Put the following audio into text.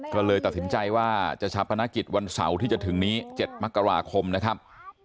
ก็เลยตัดสินใจว่าจะชาปนกิจวันเสาร์ที่จะถึงนี้๗มกราคมนะครับ